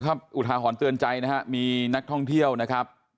อุทาหรณ์เตือนใจนะฮะมีนักท่องเที่ยวนะครับ